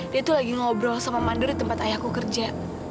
dia tuh lagi ngobrol sama mandur di tempat ayahku kerja